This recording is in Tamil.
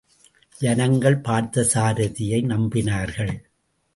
ஜனங்கள் பார்த்தசாரதியை நம்பினார்கள்.